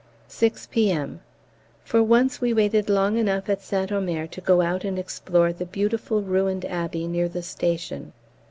6 P.M. For once we waited long enough at St Omer to go out and explore the beautiful ruined Abbey near the station.